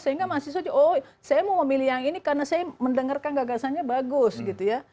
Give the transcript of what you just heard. sehingga mahasiswa oh saya mau memilih yang ini karena saya mendengarkan gagasannya bagus gitu ya